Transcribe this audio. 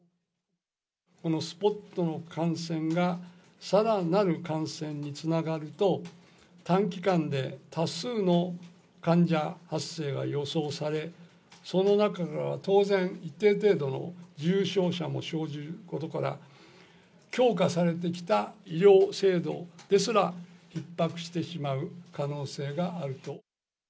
このスポットの感染が、さらなる感染につながると、短期間で多数の患者発生が予想され、その中からは当然、一定程度の重症者も生じることから、強化されてきた医療制度ですら、ひっ迫してしまう可能性があると。